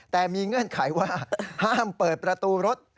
แต่มีเงื่อนไขว่าห้ามเปิดประตูรถ